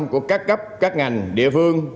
của các cấp các ngành địa phương